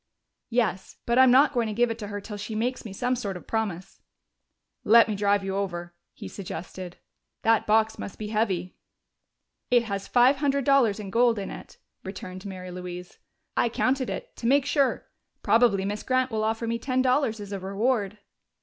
"Yes. But I'm not going to give it to her till she makes me some sort of promise." "Let me drive you over," he suggested. "That box must be heavy." "It has five hundred dollars in gold in it," returned Mary Louise. "I counted it, to make sure. Probably Miss Grant will offer me ten dollars as a reward."